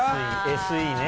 ＳＥね。